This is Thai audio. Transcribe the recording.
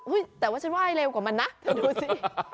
อุ๊ยแต่ว่าฉันว่ายเร็วกว่ามันน่ะดูสิ